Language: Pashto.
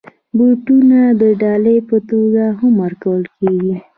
بوټونه د ډالۍ په توګه هم ورکول کېږي.